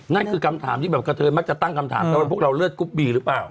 นั่นคือคำถามที่แบบกระเทยมักจะตั้งคำถามแล้วว่าพวกเราเลือดกรุ๊ปบีหรือเปล่า